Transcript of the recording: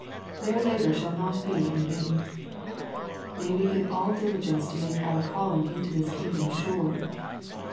Their labor shall not be in vain. May we give all diligence to make our caUing into this kingdom sure